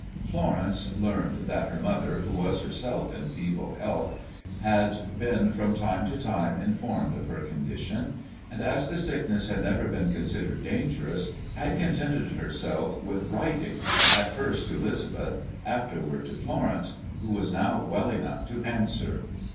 Florence learned that her mother, who was herself in feeble health, had been from time to time informed of her condition, and, as the sickness had never been considered dangerous, had contented herself with writing, at first to 'Lisbeth, afterward to Florence, who was now well enough to answer.